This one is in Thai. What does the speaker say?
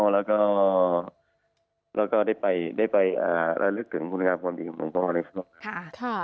เราก็ได้ไปและเลือกตัวไปถึงพุทธครับกรณีภูมิดีของหลวงพ่อเนี่ยครับ